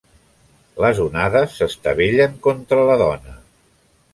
Les onades s'estavellen contra la dona.